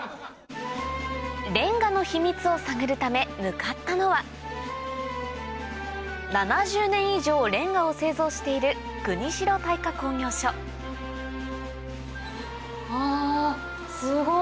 れんがの秘密を探るため向かったのは７０年以上れんがを製造しているあすごい。